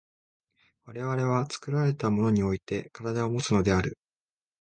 我々は作られたものにおいて身体をもつのである。